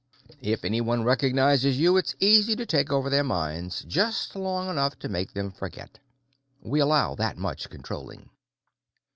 "If anyone recognizes you, it's easy to take over their minds just long enough to make them forget. We allow that much Controlling."